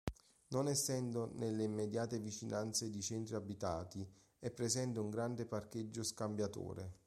Non essendo nelle immediate vicinanze di centri abitati, è presente un grande parcheggio scambiatore.